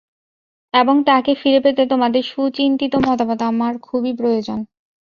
এবং তাকে ফিরে পেতে তোমাদের সুচিন্তিত মতামত আমার খুবই প্রয়োজন।